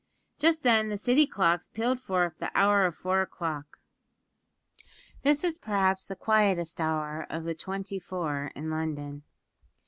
Just then the City clocks pealed forth the hour of four o'clock. This is perhaps the quietest hour of the twenty four in London.